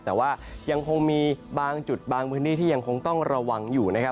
แต่ว่ายังคงมีบางจุดบางพื้นที่ที่ยังคงต้องระวังอยู่นะครับ